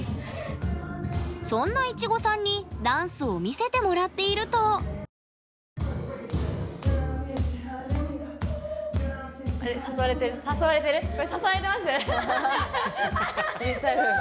そんないちごさんにダンスを見せてもらっているとフリースタイル。